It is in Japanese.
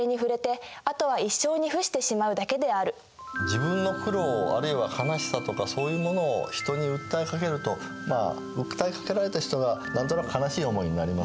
自分の苦労あるいは悲しさとかそういうものを人に訴えかけるとまあ訴えかけられた人が何となく悲しい思いになりますね。